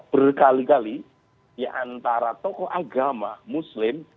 berkali kali antara tokoh agama muslim